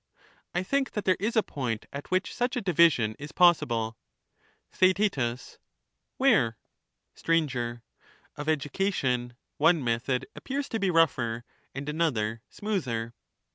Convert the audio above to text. I think that there is a point at which such a division is possible. Theaet. Where? Sir. Of education, one method appears to be rougher, and another smoother.